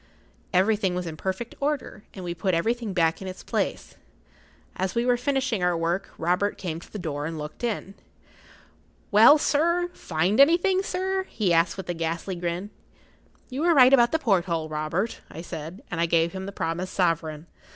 Everything was in perfect order, and we put everything back in its place. As we were finishing our work, Robert came to the door and looked in. "Well, sir—find anything, sir?" he asked with a ghastly grin. "You were right about the porthole, Robert," I said, and I gave him the promised sovereign.